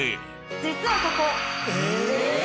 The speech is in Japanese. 実はここ。